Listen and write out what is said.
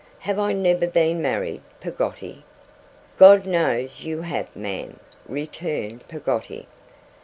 Have I never been married, Peggotty?' 'God knows you have, ma'am,' returned Peggotty.